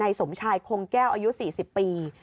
สมชายคงแก้วอายุ๔๐ปี